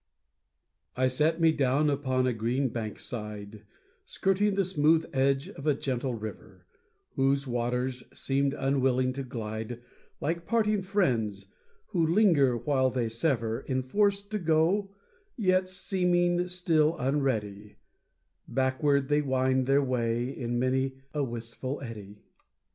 I sat me down upon a green bank side, Skirting the smooth edge of a gentle river, Whose waters seemed unwillingly to glide, Like parting friends who linger while they sever; Enforced to go, yet seeming still unready, Backward they wind their way in many a wistful eddy.